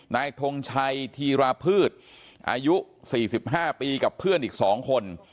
ทงชัยธีราพืชอายุ๔๕ปีกับเพื่อนอีก๒คน